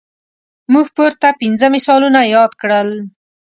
موږ پورته پنځه مثالونه یاد کړل.